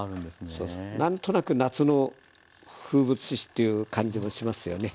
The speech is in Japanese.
そうそう何となく夏の風物詩という感じもしますよね。